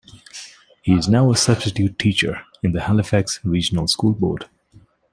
He is now a substitute teacher in the Halifax Regional School Board.